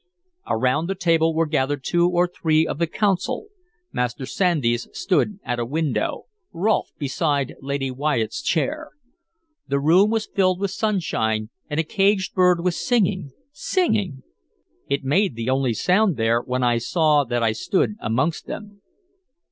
Around the table were gathered two or three of the Council; Master Sandys stood at a window, Rolfe beside Lady Wyatt's chair. The room was filled with sunshine, and a caged bird was singing, singing. It made the only sound there when they saw that I stood amongst them.